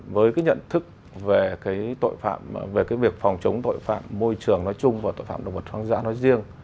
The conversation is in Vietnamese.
với nhận thức về việc phòng chống tội phạm môi trường nói chung và tội phạm động vật hoang dã nói riêng